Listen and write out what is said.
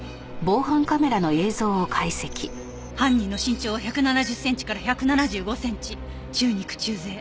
犯人の身長は１７０センチから１７５センチ中肉中背。